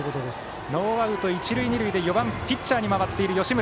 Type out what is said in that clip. ノーアウト一塁二塁で、打席には４番、ピッチャーに回った吉村。